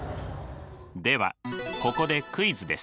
ではここでクイズです。